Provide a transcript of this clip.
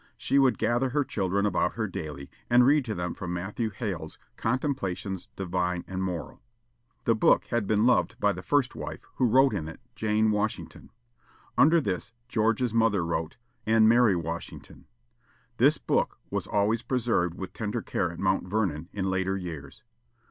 She would gather her children about her daily, and read to them from Matthew Hale's "Contemplations, Divine and Moral." The book had been loved by the first wife, who wrote in it, "Jane Washington." Under this George's mother wrote, "and Mary Washington." This book was always preserved with tender care at Mount Vernon, in later years.